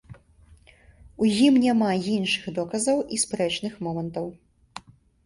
У ім няма іншых доказаў і спрэчных момантаў.